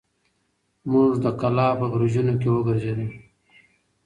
موږ د کلا په برجونو کې وګرځېدو.